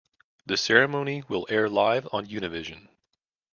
The ceremony will air live on Univision.